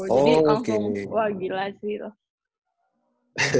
jadi langsung wah gila sih itu